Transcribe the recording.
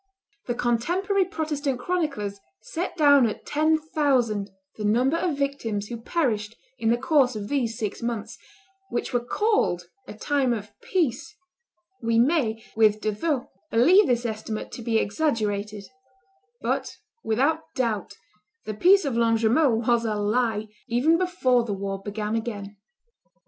The contemporary Protestant chroniclers set down at ten thousand the number of victims who perished in the course of these six months, which were called a time of peace: we may, with De Thou, believe this estimate to be exaggerated; but, without doubt, the peace of Longjumeau was a lie, even before the war began again.